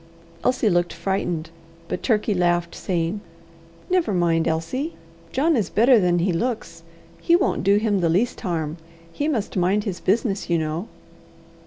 Elsie looked frightened, but Turkey laughed, saying: "Never mind, Elsie. John is better than he looks. He won't do him the least harm. He must mind his business, you know."